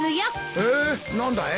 へえ何だい？